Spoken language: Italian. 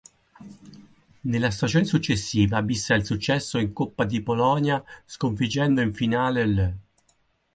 Nella stagione successiva bissa il successo in Coppa di Polonia, sconfiggendo in finale l'.